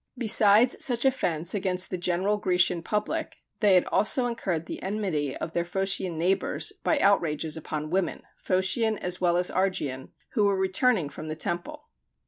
Besides such offence against the general Grecian public, they had also incurred the enmity of their Phocian neighbors by outrages upon women, Phocian as well as Argian, who were returning from the temple.